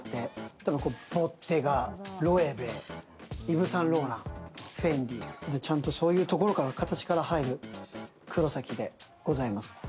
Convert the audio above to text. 例えばボッテガ、ロエベ、イブ・サンローランフェンディ、ちゃんとそういうところから形から入る黒崎でございます。